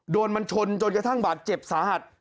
โดนมันชนจนกระทั่งบาดเจ็บสาหัส